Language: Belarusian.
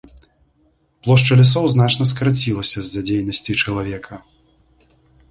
Плошча лясоў значна скарацілася з-за дзейнасці чалавека.